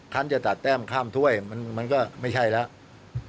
ฉันจะตัดแต้มข้ามถ้วยมันก็ไม่ใช่แล้ว